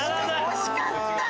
惜しかった！